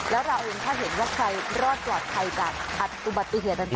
แล้วเราเองถ้าเห็นว่าใครรอดปลอดภัยจากอุบัติเหตุต่าง